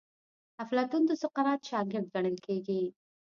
افلاطون د سقراط شاګرد ګڼل کیږي.